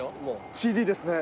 ＣＤですね。